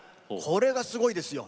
これがすごいですよ。